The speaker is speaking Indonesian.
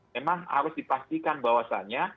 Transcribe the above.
memang harus dipastikan bahwasannya